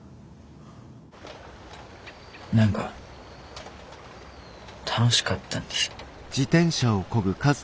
何か楽しかったんです。